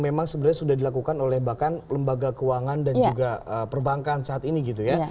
memang sebenarnya sudah dilakukan oleh bahkan lembaga keuangan dan juga perbankan saat ini gitu ya